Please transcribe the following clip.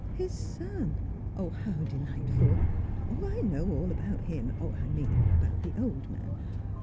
His son? How delightful! Oh, I know all about him; I mean, about the old man.